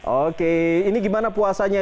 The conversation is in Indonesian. oke ini gimana puasanya